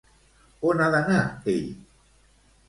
On ha d'anar ell?